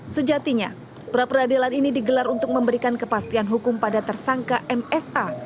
sejatinya pra peradilan ini digelar untuk memberikan kepastian hukum pada tersangka msa